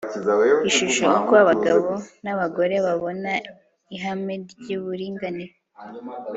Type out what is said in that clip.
ishusho uko abagabo n abagore babona ihame ry uburinganire